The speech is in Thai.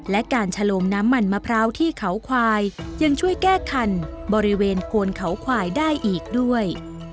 และการชะโลงน้ำมันมะพร้าวที่เขาควายยังช่วยแก้คันบริเวณโกนเขาควายได้อีกด้วย